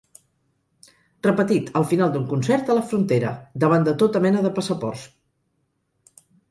Repetit al final d'un concert a la frontera, davant de tota mena de passaports.